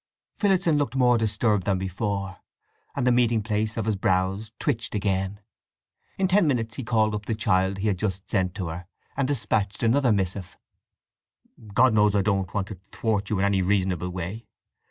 Phillotson looked more disturbed than before, and the meeting place of his brows twitched again. In ten minutes he called up the child he had just sent to her, and dispatched another missive: God knows I don't want to thwart you in any reasonable way.